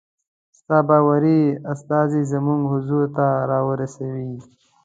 ستا باوري استازی زموږ حضور ته را ورسیږي.